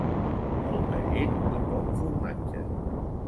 Molta llet i poc formatge.